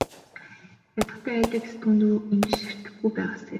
Ядахдаа Алекс түүнрүү ингэж ширтэхгүй байгаасай.